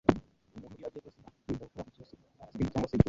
Umuntu iyo agiye kurasa inka yirinda gukora mu kirasiro (ikibindi cyangwa se igicuba)